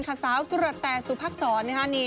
คสาวตุระแต่สุพักษร